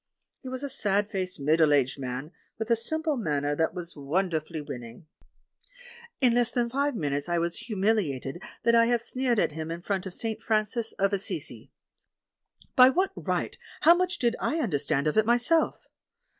He was a sad faced, middle aged man, with a simple manner that was wonderfully winning. In less than five minutes I was humiliated that I had sneered at him in front of "St. Francis of Assisi." By what right, how much did I understand of it myself?